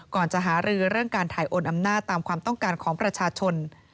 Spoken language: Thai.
ก่อนจะหารือเรื่องการถ่ายโอนอำนาจตามความต้องการของประชาชน